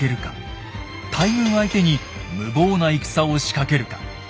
大軍相手に無謀な戦を仕掛けるか。